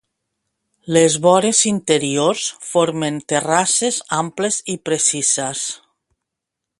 Les vores interiors formen terrasses amples i precises.